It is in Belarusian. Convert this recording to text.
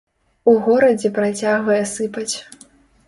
У горадзе працягвае сыпаць.